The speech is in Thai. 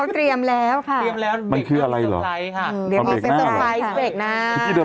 เดี๋ยวได้โชว์แน่